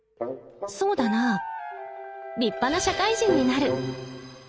そうだなぁ立派な社会人になる。